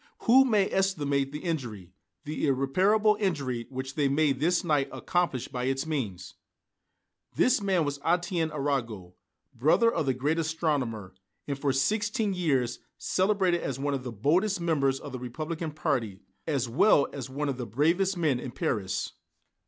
Who may estimate the injury, the irreparable injury which they may this night accomplish by its means!" This man was Étienne Arago, brother of the great astronomer, and, for sixteen years, celebrated as one of the boldest members of the Republican party, as well as one of the bravest men in Paris.